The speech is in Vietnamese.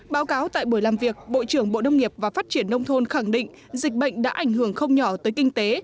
báo cáo tại buổi làm việc bộ trưởng bộ nông nghiệp và phát triển nông thôn khẳng định dịch bệnh đã ảnh hưởng không nhỏ tới kinh tế